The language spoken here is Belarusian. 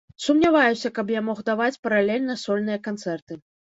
Сумняваюся, каб я мог даваць паралельна сольныя канцэрты.